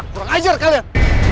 kurang ajar kalian